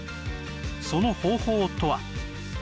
その方法とは？